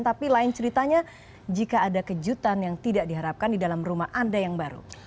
tapi lain ceritanya jika ada kejutan yang tidak diharapkan di dalam rumah anda yang baru